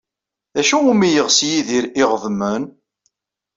D acu umi yeɣs Yidir iɣeḍmen?